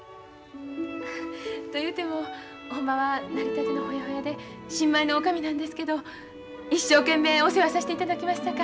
というてもほんまはなりたてのホヤホヤで新米の女将なんですけど一生懸命お世話さしていただきます